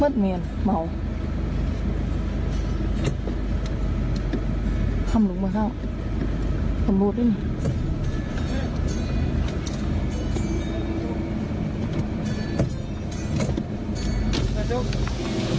ทำลุงมาข้าวสำรวจด้วยหน่อย